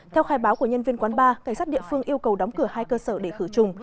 theo khai báo của nhân viên quán bar cảnh sát địa phương yêu cầu đóng cửa hai cơ sở để khử trùng